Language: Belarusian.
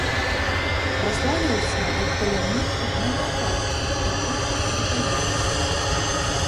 Праславіўся як паляўнічы на леапардаў і тыграў-людаедаў.